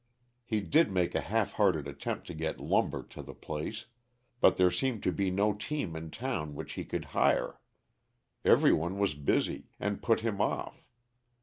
He did make a half hearted attempt to get lumber to the place, but there seemed to be no team in town which he could hire. Every one was busy, and put him off.